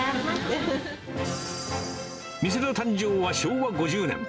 店の誕生は昭和５０年。